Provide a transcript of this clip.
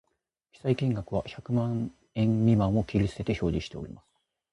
記載金額は百万円未満を切り捨てて表示しております